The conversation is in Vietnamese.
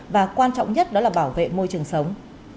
và quan trọng nhất đó là bảo vệ môi trường sống